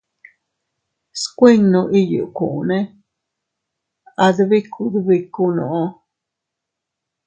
Skuinnu iyukune adbiku dbikunoo.